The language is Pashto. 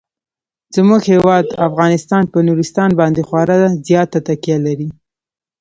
زموږ هیواد افغانستان په نورستان باندې خورا زیاته تکیه لري.